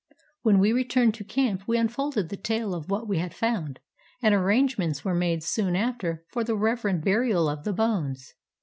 When we returned to camp we unfolded the tale of what we had found, and arrangements were made soon after for the reverent burial of the bones.